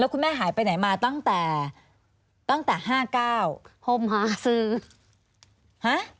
แล้วคุณแม่หายไปไหนมาตั้งแต่ตั้งแต่ห้าเก้าห่มหาสื่อฮะ